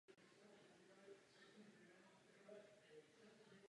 Blanka dostala jméno právě po této své babičce z otcovy strany.